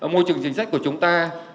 môi trường chính sách của chúng ta